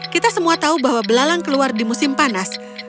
kita semua tahu bahwa belalang keluar di musim panas